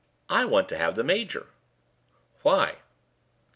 I want to have the major." "Why?"